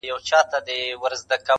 په زگېرويو په آهونو کي چي ساز دی~